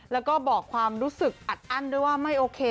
แล้วก็บอกความรู้สึกอัดอั้นด้วยว่าไม่โอเค